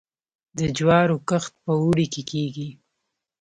د جوارو کښت په اوړي کې کیږي.